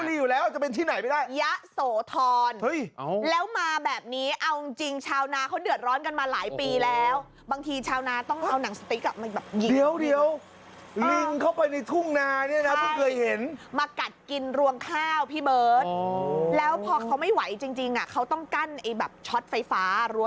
รัวชัดไฟฟ้าเสียบป่ะเสียบทั้งคนเสียบทั้งลิงห้ามหรูแบบนี้อะค่ะ